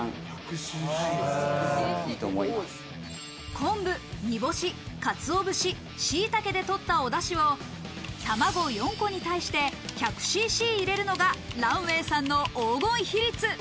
昆布、煮干し、鰹節、シイタケでとったおだしを、卵４個に対して１００ｃｃ入れるのが卵道さんの黄金比率。